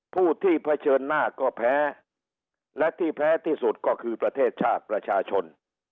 ผู้ที่เผชิญหน้าก็แพ้และที่แพ้ที่สุดก็คือประเทศชาติประชาชน